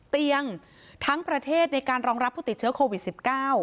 เตียงทั้งประเทศในการรองรับผู้ติดเชื้อโควิด๑๙